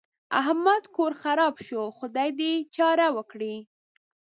احمد کور خراپ شو؛ خدای دې يې چاره وکړي.